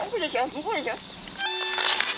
向こうでしょ？